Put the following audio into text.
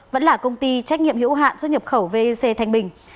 vẫn là công ty trách nhiệm hiệu hạn xuất nhập khẩu vec thành bình